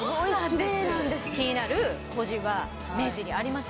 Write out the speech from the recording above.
気になる小じわ目尻ありますよね。